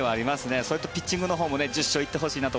それとピッチングのほうも１０勝行ってほしいなと。